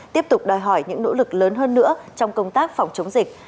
tiếp tục đòi hỏi những nỗ lực lớn hơn nữa trong công tác phòng chống dịch